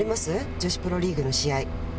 女子プロリーグの試合。